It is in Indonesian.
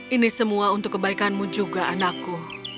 ini semua untuk kebaikanmu juga anakku